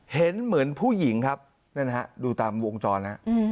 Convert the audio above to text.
เห็นเหมือนผู้หญิงครับนั่นฮะดูตามวงจรแล้ว